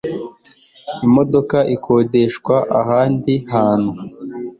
imodoka ikodeshwa ahandi hantu?